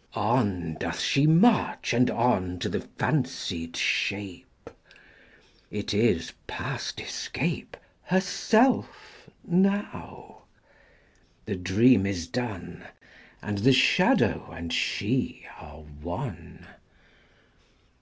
XXV. On doth she march and on To the fancied shape; It is, past escape, Herself, now: the dream is done And the shadow and she are one.